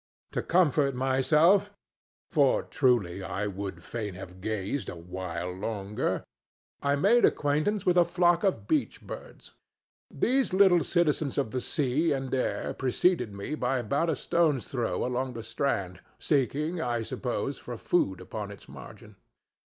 To comfort myself—for truly I would fain have gazed a while longer—I made acquaintance with a flock of beach birds. These little citizens of the sea and air preceded me by about a stone's throw along the strand, seeking, I suppose, for food upon its margin.